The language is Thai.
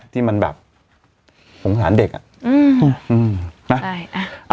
ที่มันแบบขงสารเด็กอ่ะอืมอืมมาแล้วเอิ่ม